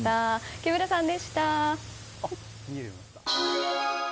木村さんでした。